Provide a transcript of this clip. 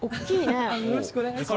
よろしくお願いします。